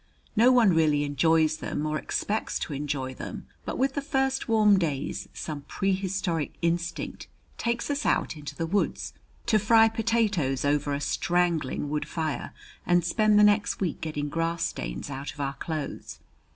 No one really enjoys them or expects to enjoy them, but with the first warm days some prehistoric instinct takes us out into the woods, to fry potatoes over a strangling wood fire and spend the next week getting grass stains out of our clothes.